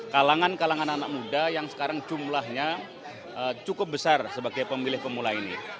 kalangan kalangan anak muda yang sekarang jumlahnya cukup besar sebagai pemilih pemula ini